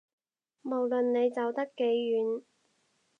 無論你走得幾遠